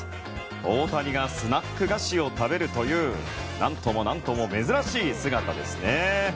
大谷がスナック菓子を食べるという何とも何とも珍しい姿ですね。